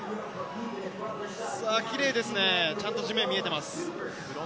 キレイですね、ちゃんと地面が見えています。